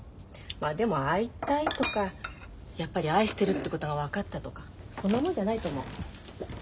でも会いたいとかやっぱり愛してるってことが分かったとかそんなもんじゃないと思う。